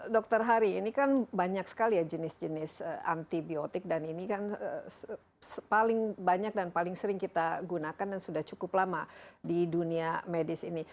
dokter hari ini kan banyak sekali ya jenis jenis antibiotik dan ini kan paling banyak dan paling sering kita gunakan dan sudah cukup lama di dunia medis ini